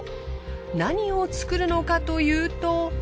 何を作るのかというと。